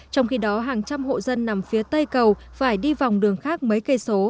trong khi đó hàng trăm hộ dân nằm phía tây cầu phải đi vòng đường khác mấy cây số